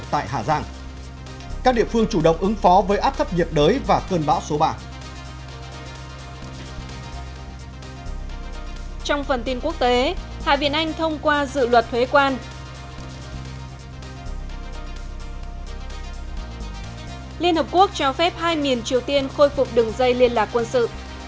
liên hợp quốc cho phép hai miền triều tiên khôi phục đừng dây liên lạc quân sự